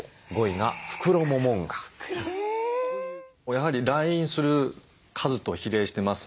やはり来院する数と比例してます。